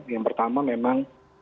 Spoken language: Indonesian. yang pertama memang